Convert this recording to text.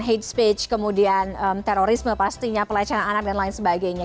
hate speech kemudian terorisme pastinya pelecehan anak dan lain sebagainya